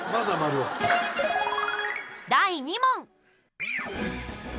第２問。